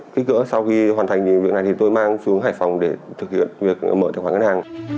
kích cỡ sau khi hoàn thành việc này thì tôi mang xuống hải phòng để thực hiện việc mở tài khoản ngân hàng